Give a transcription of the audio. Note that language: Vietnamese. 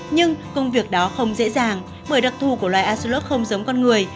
nhưng công việc đó không dễ dàng bởi đặc thù của loài aslov không giống con người